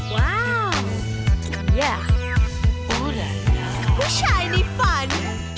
ว้าวผู้ชายในฝัน